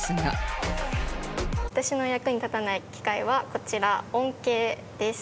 私の役に立たない機械はこちら温計です。